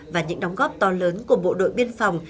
và những đóng góp to lớn của bộ đội biên phòng